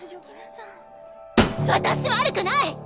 私悪くない！